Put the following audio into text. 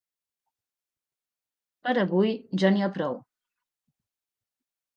Per avui ja n'hi ha prou.